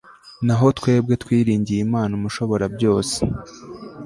naho twebwe twiringiye imana umushoborabyose